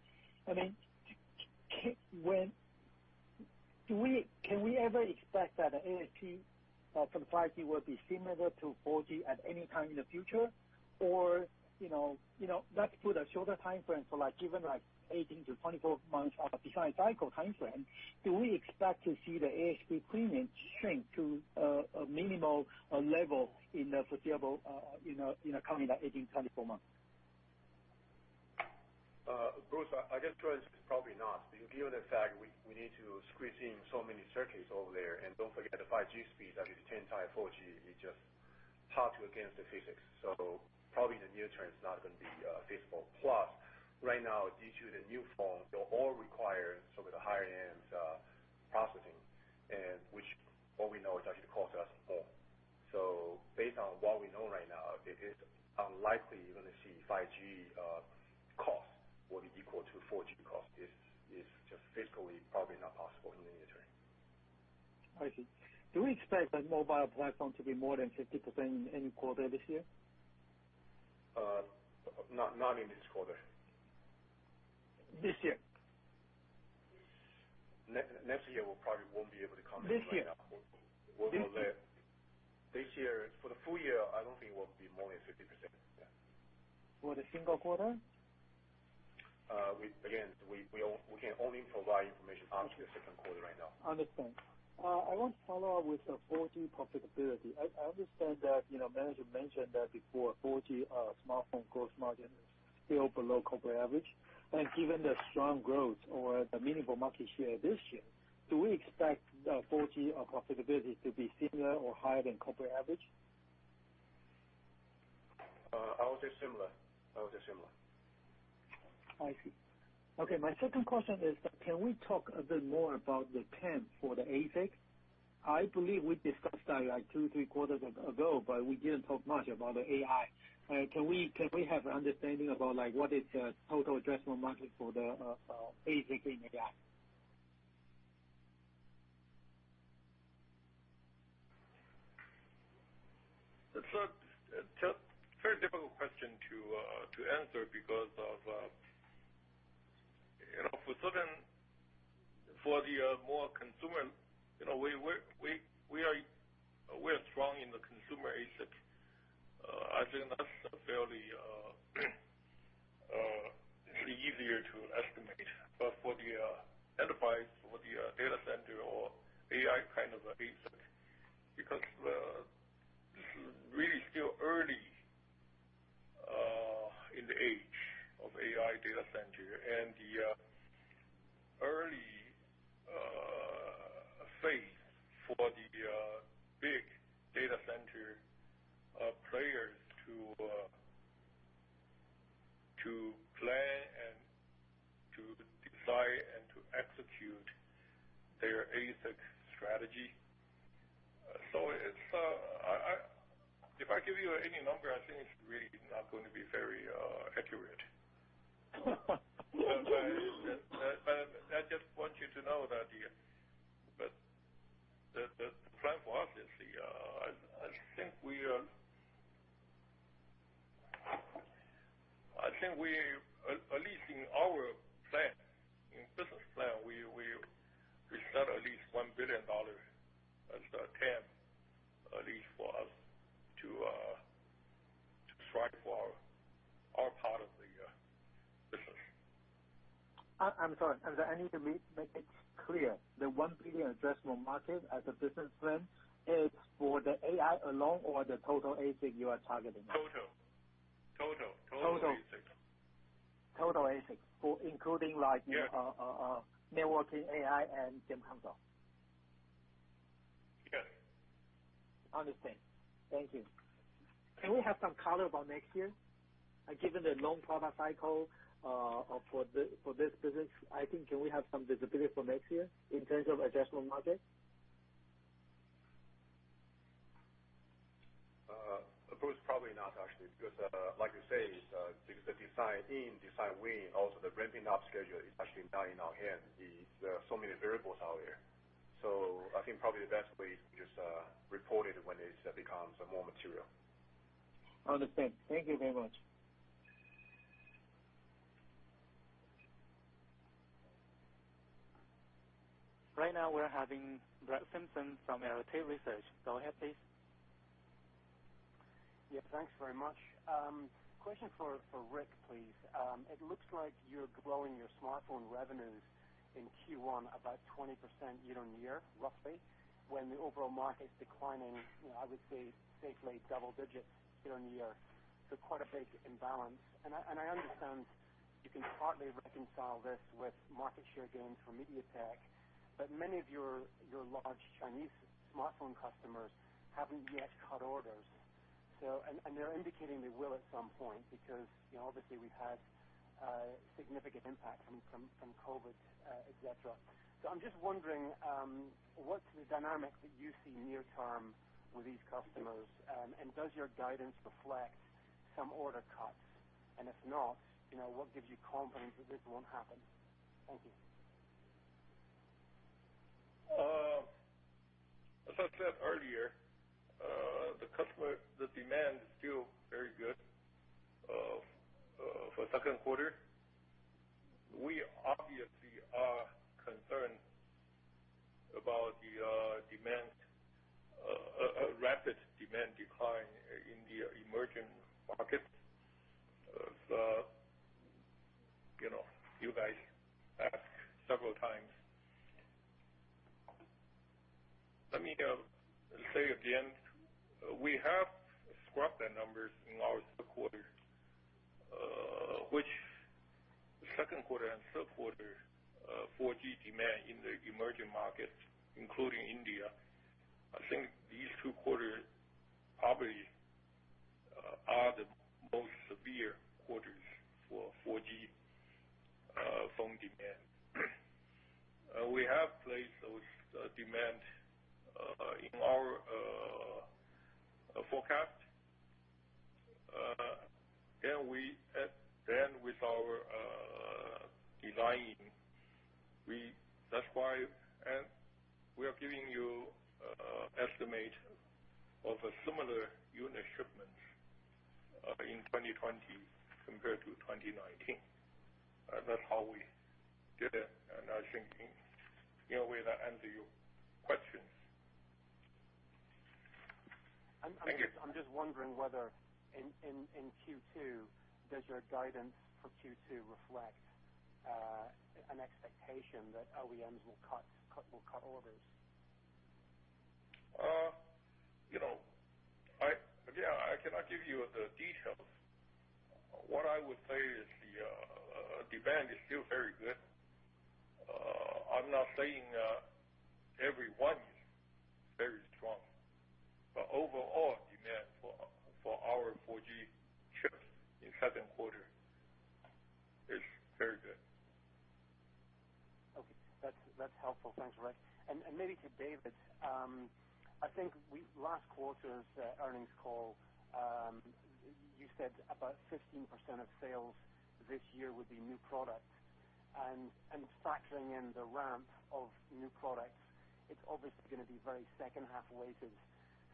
Can we ever expect that ASP from 5G will be similar to 4G at any time in the future? Let's put a shorter timeframe for like, given 18-24 months of a design cycle timeframe, do we expect to see the ASP premium shrink to a minimal level in the foreseeable, coming 18-24 months? Bruce, I guess the answer is probably not, due to the fact we need to squeeze in so many circuits over there, and don't forget the 5G speed that is 10x 4G, it's just hard to go against the physics. Probably the near term is not going to be feasible. Right now, due to the new phone, they all require some of the higher-end processing, and which all we know, it actually costs us more. Based on what we know right now, it is unlikely you're going to see 5G cost will be equal to 4G cost. It's just physically, probably not possible in the near term. I see. Do we expect the mobile platform to be more than 50% in any quarter this year? Not in this quarter. This year. Next year, we probably won't be able to comment right now. This year. This year, for the full year, I don't think it will be more than 50%, yeah. For the single quarter? Again, we can only provide information up to the second quarter right now. Understand. I want to follow up with the 4G profitability. I understand that management mentioned that before 4G smartphone gross margin is still below corporate average. Given the strong growth or the meaningful market share this year, do we expect 4G profitability to be similar or higher than corporate average? I would say similar. I see. Okay, my second question is, can we talk a bit more about the TAM for the ASIC? I believe we discussed that two, three quarters ago, but we didn't talk much about the AI. Can we have an understanding about what is the total addressable market for the ASIC in AI? It's a very difficult question to answer because for the more consumer, we are strong in the consumer ASIC. I think that's fairly easier to estimate. For the enterprise, for the data center or AI kind of ASIC, because this is really still early in the age of AI data center and the early phase for the big data center players to plan and to design and to execute their ASIC strategy. If I give you any number, I think it's really not going to be very accurate. I just want you to know the plan for us is, I think at least in our business plan, we set at least 1 billion dollars as the TAM, at least for us to strive for our part of the business. I'm sorry. I need to make it clear. The 1 billion addressable market as a business plan is for the AI alone or the total ASIC you are targeting? Total. Total ASIC. Total ASIC. Including Networking, AI, and game console. Yes. Understand. Thank you. Can we have some color about next year? Given the long product cycle, for this business, I think, can we have some visibility for next year in terms of addressable market? Bruce, probably not, actually, because like you say, because the design in, design win, also the ramping up schedule is actually not in our hand. There are so many variables out there. I think probably the best way is to just report it when it becomes more material. Understand. Thank you very much. Right now, we're having Brett Simpson from Arete Research. Go ahead, please. Yeah, thanks very much. Question for Rick, please. It looks like you're growing your smartphone revenues in Q1 about 20% year-on-year, roughly, when the overall market's declining, I would say safely double digits year-on-year. Quite a big imbalance. I understand you can partly reconcile this with market share gains for MediaTek, but many of your large Chinese smartphone customers haven't yet cut orders. They're indicating they will at some point because, obviously we've had a significant impact from COVID, et cetera. I'm just wondering, what's the dynamic that you see near term with these customers? Does your guidance reflect some order cuts? If not, what gives you confidence that this won't happen? Thank you. As I said earlier, the demand is still very good for second quarter. We obviously are concerned about the rapid demand decline in the emerging markets. You guys asked several times. Let me say again, we have scrapped the numbers in our third quarter, which second quarter and third quarter 4G demand in the emerging markets, including India, I think these two quarters probably are the most severe quarters for 4G phone demand. We have placed those demand in our forecast. With our designing, that's why, and we are giving you estimate of a similar unit shipment in 2020 compared to 2019. That's how we did it, and I think in a way that answer your questions. I'm just wondering whether in Q2, does your guidance for Q2 reflect an expectation that OEMs will cut orders? I cannot give you the details. What I would say is the demand is still very good. I'm not saying everyone is very strong, but overall demand for our 4G chips in second quarter is very good. Okay. That's helpful. Thanks, Rick. Maybe to David, I think last quarter's earnings call, you said about 15% of sales this year would be new products. Factoring in the ramp of new products, it's obviously going to be very second half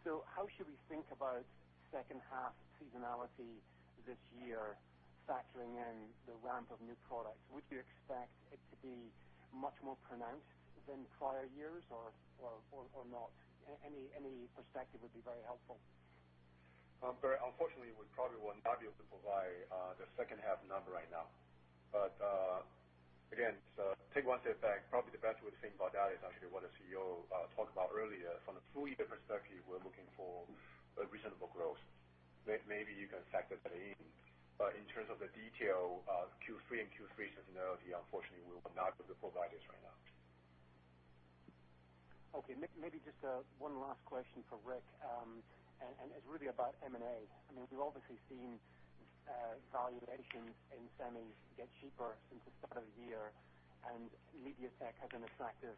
weighted. How should we think about second half seasonality this year, factoring in the ramp of new products? Would you expect it to be much more pronounced than prior years or not? Any perspective would be very helpful. Unfortunately, we probably will not be able to provide the second half number right now. Again, take one step back. Probably the best way to think about that is actually what our CEO talked about earlier. From a full year perspective, we're looking for a reasonable growth. Maybe you can factor that in. In terms of the detail, Q3 and Q3 seasonality, unfortunately, we will not be able to provide this right now. Okay, maybe just one last question for Rick. It's really about M&A. We've obviously seen valuations in semis get cheaper since the start of the year, and MediaTek has an attractive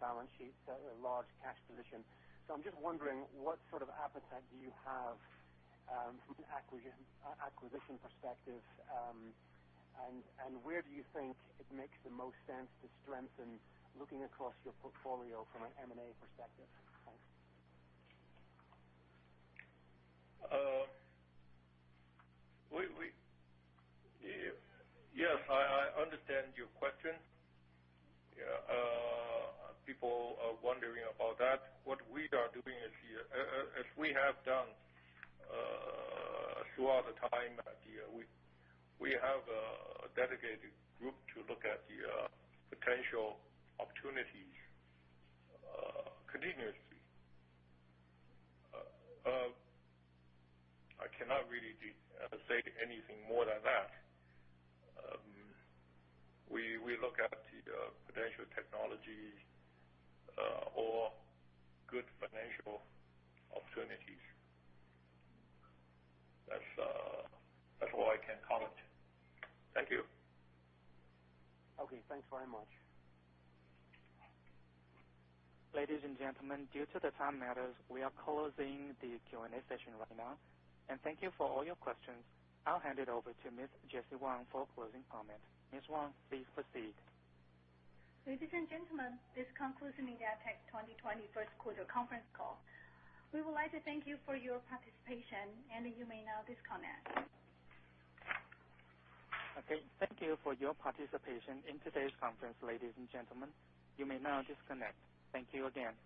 balance sheet, a large cash position. I'm just wondering, what sort of appetite do you have from an acquisition perspective, and where do you think it makes the most sense to strengthen looking across your portfolio from an M&A perspective? Thanks. Yes, I understand your question. People are wondering about that. What we are doing, as we have done throughout the time, we have a dedicated group to look at the potential opportunities continuously. I cannot really say anything more than that. We look at the potential technology or good financial opportunities. That's all I can comment. Thank you. Okay, thanks very much. Ladies and gentlemen, due to the time matters, we are closing the Q&A session right now, and thank you for all your questions. I'll hand it over to Miss Jessie Wang for closing comment. Miss Wang, please proceed. Ladies and gentlemen, this concludes MediaTek's 2020 first quarter conference call. We would like to thank you for your participation, and you may now disconnect. Okay, thank you for your participation in today's conference, ladies and gentlemen. You may now disconnect. Thank you again.